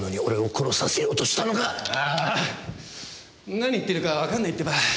何言ってるかわかんないってば。